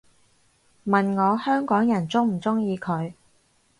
問我香港人鍾唔鍾意佢